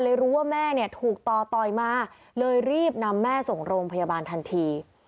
รู้ว่าแม่เนี่ยถูกต่อต่อยมาเลยรีบนำแม่ส่งโรงพยาบาลทันที